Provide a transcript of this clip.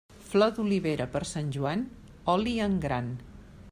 Flor d'olivera per Sant Joan, oli en gran.